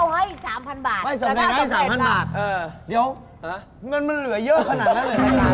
ห้ะอย่างนั้นมันเหลือเยอะขนาดนั้นในรายการ